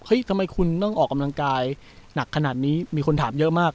ทำไมคุณต้องออกกำลังกายหนักขนาดนี้มีคนถามเยอะมาก